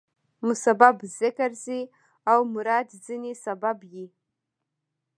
مسبب ذکر شي او مراد ځني سبب يي.